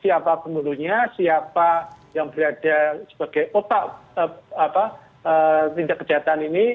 siapa pembunuhnya siapa yang berada sebagai otak tindak kejahatan ini